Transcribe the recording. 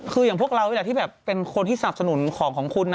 คืออย่างพวกเรานี่แหละที่แบบเป็นคนที่สนับสนุนของของคุณ